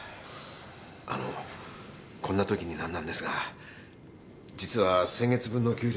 あのこんなときになんなんですが実は先月分の給料